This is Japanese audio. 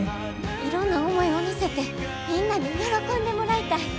いろんな思いを乗せてみんなに喜んでもらいたい。